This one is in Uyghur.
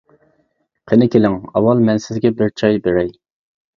قېنى كېلىڭ، ئاۋۋال مەن سىزگە بىر چاي بېرەي.